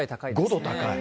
５度高い？